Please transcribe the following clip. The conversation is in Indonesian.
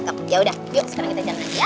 yaudah yuk sekarang kita jalan lagi ya